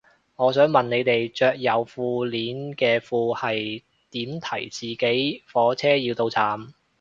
我想問你哋着有褲鏈嘅褲係點提自己火車要到站